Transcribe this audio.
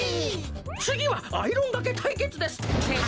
つぎはアイロンがけたいけつです！